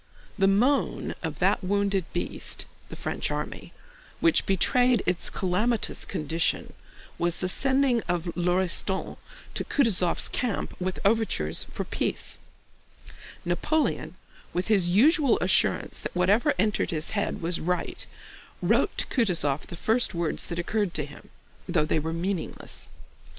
The moan of that wounded beast (the French army) which betrayed its calamitous condition was the sending of Lauriston to Kutúzov's camp with overtures for peace. Napoleon, with his usual assurance that whatever entered his head was right, wrote to Kutúzov the first words that occurred to him, though they were meaningless.